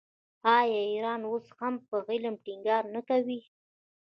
آیا ایران اوس هم په علم ټینګار نه کوي؟